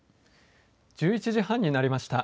１１時半になりました。